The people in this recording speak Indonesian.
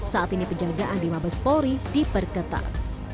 saat ini penjagaan di mabes polri diperketat